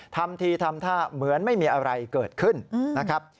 ทำทีทำท่าเหมือนไม่มีอะไรเกิดขึ้นนะครับ